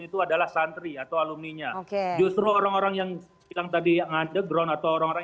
itu adalah santri atau alumninya justru orang orang yang bilang tadi yang ada ground atau orang orang